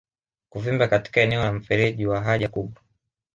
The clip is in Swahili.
Kuvimba katika eneo la mfereji wa haja kubwa